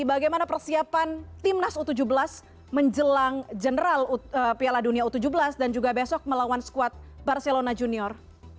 bagaimana persiapan timnas u tujuh belas menjelang general piala dunia u tujuh belas dan juga besok melawan squad barcelona junior